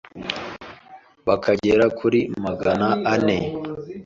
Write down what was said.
bakagera kuri Magana ane